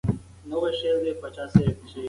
ماشوم د انا لاسونه په پوره مینه ونیول.